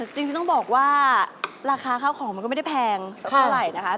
จริงต้องบอกว่าราคาข้าวของมันก็ไม่ได้แพงสักเท่าไหร่นะคะ